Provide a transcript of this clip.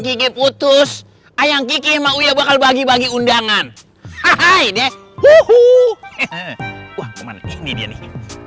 kike putus ayam kike mau ya bakal bagi bagi undangan hai deh uhu hehehe wah ini dia nih